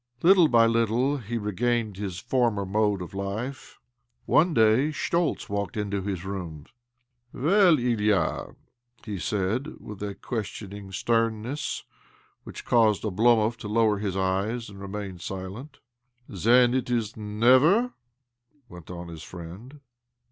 Little by little he regained his former mode of life. One day Schtoltz walked into his room. " Well, Ilya? " he said, with a qtiestioning 235 2з6 OBLOMOV sternness which caused Oblomov to lower his eyes and remain silent. " Then it is to be ' never '?" went on his friend.